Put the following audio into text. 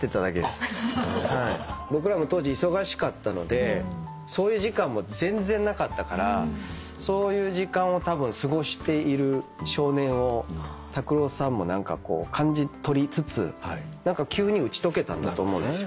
僕らも当時忙しかったのでそういう時間も全然なかったからそういう時間を過ごしている少年を拓郎さんも何かこう感じ取りつつ急に打ち解けたんだと思うんですよ。